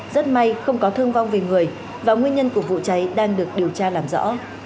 rất may không có thương vong về người và nguyên nhân của vụ cháy đang được điều tra làm rõ